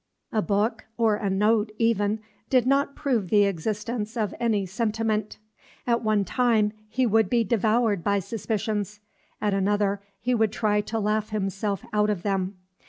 A book, or a note, even, did not prove the existence of any sentiment. At one time he would be devoured by suspicions, at another he would try to laugh himself out of them.